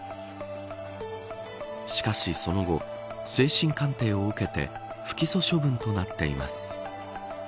しかしその後、精神鑑定を受けて不起訴処分となっています。